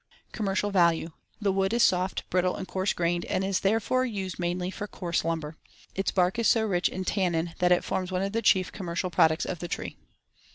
Commercial value: The wood is soft, brittle, and coarse grained, and is therefore used mainly for coarse lumber. Its bark is so rich in tannin that it forms one of the chief commercial products of the tree.